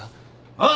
ああ？